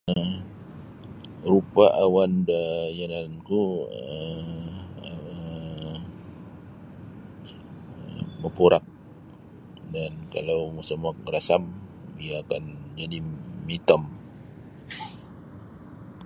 [unintelligible] Rupa awan da yanan ku um mapurak kalau mosomok marasam iyo akan majadi mitom.